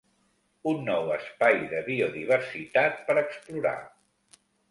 Un nou espai de biodiversitat per explorar.